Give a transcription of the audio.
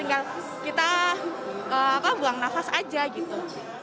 tinggal kita buang nafas aja gitu